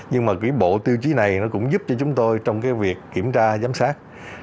nhưng mà cái bộ tiêu chí này nó cũng giúp cho chúng tôi trong cái việc kiểm tra giám sát